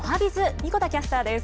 神子田キャスターです。